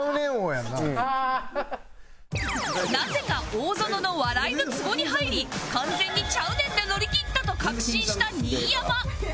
なぜか大園の笑いのツボに入り完全に「ちゃうねん」で乗り切ったと確信した新山